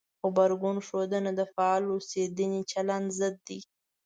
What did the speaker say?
غبرګون ښودنه د فعال اوسېدنې چلند ضد دی.